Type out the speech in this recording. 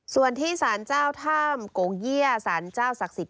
ส่วนที่สารเจ้าท่ามโกงเยี่ยสารเจ้าศักดิ์สิทธิ